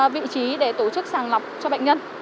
vị trí để tổ chức sàng lọc cho bệnh nhân